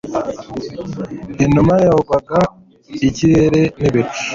inuma yogoga ikirere nibicu